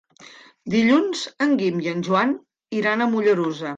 Dilluns en Guim i en Joan iran a Mollerussa.